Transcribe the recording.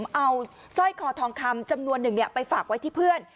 เอาสร้อยคอทองคำจำนวนหนึ่งไปฝากไว้ที่เพื่อน